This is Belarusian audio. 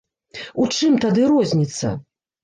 У чым тады розніца?